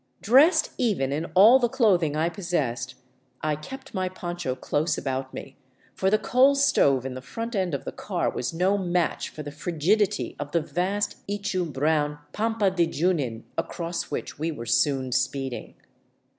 Dressed even in all the clothing I possessed, I kept my poncho close about me, for the coal stove in the front end of the car was no match for the frigidity of the vast ichu brown pampa de Junin across which we were soon speeding.